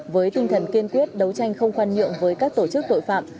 với tinh thần kiên quyết đấu tranh không khoan nhượng với các tổ chức tội phạm